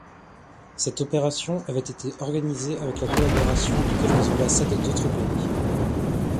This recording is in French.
Cette opération avait été organisée avec la collaboration de quelques ambassades d'autres pays.